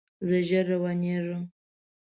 زه ژر روانیږم